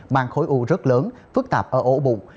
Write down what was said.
mang khối u rất lớn phức tạp ở ổ bụng